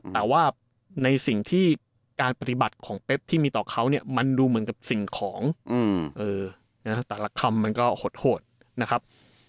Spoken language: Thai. แต่ว่าในสิ่งที่การปฏิบัติของเป๊บที่มีต่อเขาเนี่ยมันดูเหมือนกับสิ่งของแต่ละคำมันก็โหดนะครับ